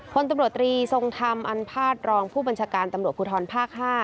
คนตำรวจตรีทรงธรรมอันภาษณรองผู้บัญชาการตำรวจภูทรภาค๕